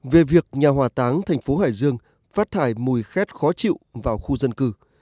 về việc nhà hòa táng thành phố hải dương phát thải mùi khét khó chịu vào khu dân cư